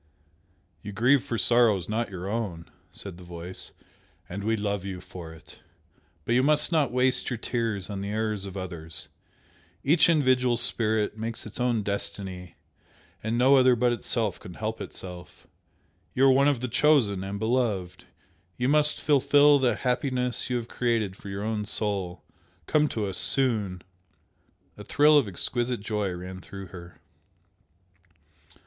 "You grieve for sorrows not your own," said the Voice "And we love you for it. But you must not waste your tears on the errors of others. Each individual Spirit makes its own destiny, and no other but Itself can help Itself. You are one of the Chosen and Beloved! You must fulfil the happiness you have created for your own soul! Come to us soon!" A thrill of exquisite joy ran through her.